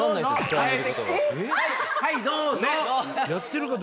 「はいどうぞ！」